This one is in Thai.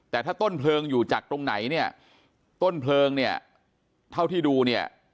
แต่ถ้าต้นเพลิงอยู่จากตรงไหนเนี่ยต้นเพลิงเนี่ยเท่าที่ดูเนี่ย